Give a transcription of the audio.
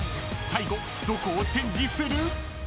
［最後どこをチェンジする？］